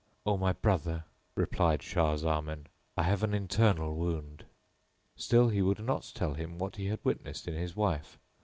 "O my brother," replied Shah Zaman "I have an internal wound:"[FN#6] still he would not tell him what he had witnessed in his wife.